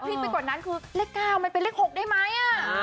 เพียงกว่านั้นคือเลข๙ไปเลข๖ได้ไหม